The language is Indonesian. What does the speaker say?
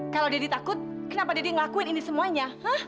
kalau jadi takut kenapa jadi ngelakuin ini semuanya